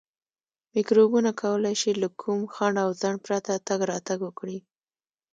میکروبونه کولای شي له کوم خنډ او ځنډ پرته تګ راتګ وکړي.